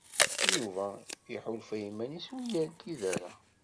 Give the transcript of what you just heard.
Yuba iḥulfa iman-is ur yerkid ara.